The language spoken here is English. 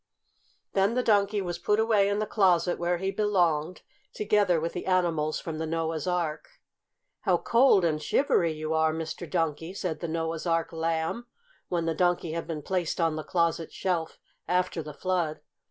Then the Donkey was put away in the closet where he belonged, together with the animals from the Noah's Ark. "How cold and shivery you are, Mr. Donkey," said the Noah's Ark Lamb, when the Donkey had been placed on the closet shelf, after the flood.